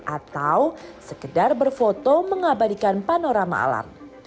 atau sekedar berfoto mengabadikan panorama alam